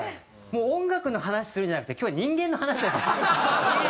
もう音楽の話するんじゃなくて今日はなるほど。